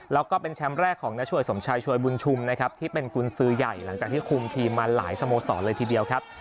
แล้วก็เป็นแชมป์แรกของน้าช่วยสมชายช่วยบุญชุมนะครับที่เป็นกุญสือใหญ่หลังจากที่คุมทีมมาหลายสโมสรเลยทีเดียวครับ